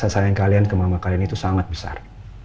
sayang kalian ke mama kalian itu sangat besar